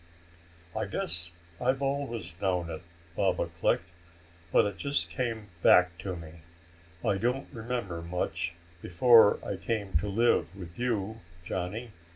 "I guess I've always known it," Baba clicked. "But it just came back to me. I don't remember much before I came to live with you, Johnny.